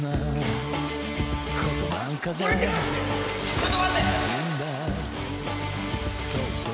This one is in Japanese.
ちょっと待って！